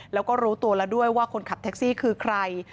แล้วก็รู้ตัวแล้วด้วยว่าคนขับแท็กซี่คือใคร